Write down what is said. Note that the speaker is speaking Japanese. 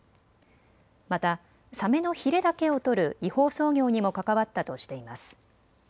またサメのヒレだけを取る違法操業にも関わったとしています。